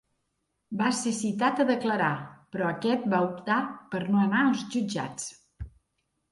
Va ser citat a declarar, però aquest va optar per no anar als jutjats.